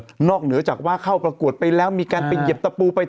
นอกเหนือจากว่าเข้าประกวดไปแล้วมีการไปเหยียบตะปูไป